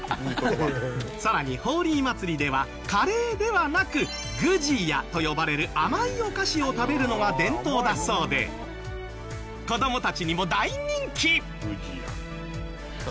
さらにホーリー祭りではカレーではなくグジヤと呼ばれる甘いお菓子を食べるのが伝統だそうで子どもたちにも大人気。